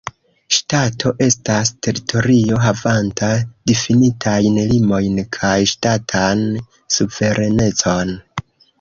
Ŝtato estas teritorio havanta difinitajn limojn kaj ŝtatan suverenecon.